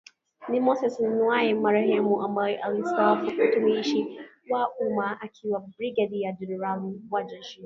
ni Moses Nnauye marehemu ambaye alistaafu utumishi wa umma akiwa Brigedia Jenerali wa Jeshi